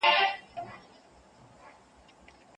کمپيوټر شعر خپروي.